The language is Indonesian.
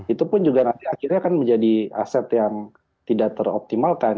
itu pun juga nanti akhirnya akan menjadi aset yang tidak teroptimalkan